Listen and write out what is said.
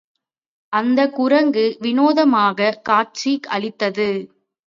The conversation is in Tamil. அந்தக் குரங்கு விநோதமாகக் காட்சி அளித்தது.